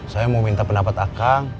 saya mau minta pendapat aka